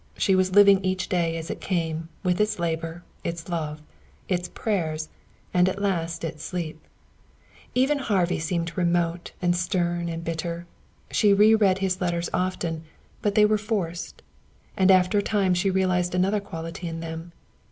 So she was living each day as it came, with its labor, its love, its prayers and at last its sleep. Even Harvey seemed remote and stern and bitter. She reread his letters often, but they were forced. And after a time she realized another quality in them.